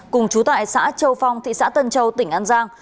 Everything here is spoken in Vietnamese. cùng chú tại xã châu phong thị xã tân châu tỉnh an giang